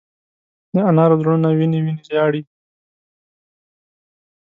د انارو زړونه وینې، وینې ژاړې